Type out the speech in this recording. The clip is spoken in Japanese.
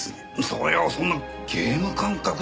それをそんなゲーム感覚で。